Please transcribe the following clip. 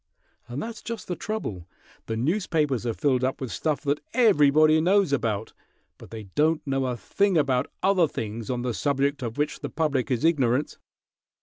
And that's just the trouble. The newspapers are filled up with stuff that everybody knows about, but they don't know a thing about other things on the subject of which the public is ignorant."